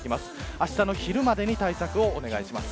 あしたの昼までに対策をお願いします。